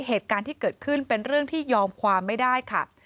เหตุการณ์ที่เกิดขึ้นเป็นเรื่องที่ยอมความไม่ได้ค่ะ